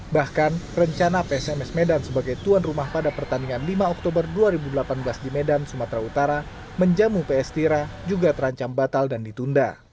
bahkan rencana psms medan sebagai tuan rumah pada pertandingan lima oktober dua ribu delapan belas di medan sumatera utara menjamu ps tira juga terancam batal dan ditunda